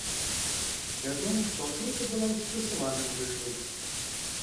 Вядома, што атрута была ў спрэсаваным выглядзе.